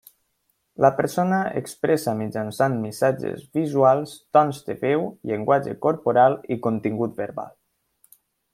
La persona expressa mitjançant missatges visuals, tons de veu, llenguatge corporal i contingut verbal.